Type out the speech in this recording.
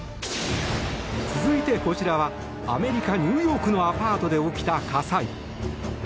続いて、こちらはアメリカ・ニューヨークのアパートで起きた火災。